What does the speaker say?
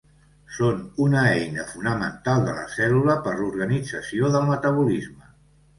Són una eina fonamental de la cèl·lula per l'organització del metabolisme.